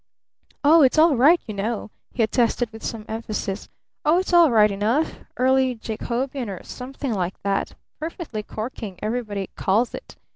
Oh, it's all right, you know!" he attested with some emphasis. "Oh, it's all right enough early Jacobean, or something like that 'perfectly corking,' everybody calls it!